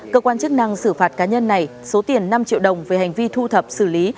cơ quan chức năng xử phạt cá nhân này số tiền năm triệu đồng về hành vi thu thập xử lý